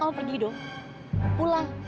kamu pergi dok pulang